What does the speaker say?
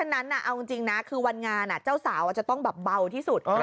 เพราะฉะนั้นเอาจริงนะวันงานเจ้าสาวจะต้องเบาที่สุด